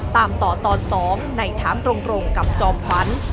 ตามต่อตอนสองในถามตรงกับจอมพรรดิ